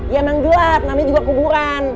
ya emang gelap namanya juga kuburan